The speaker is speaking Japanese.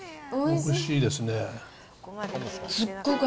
おいしいですね。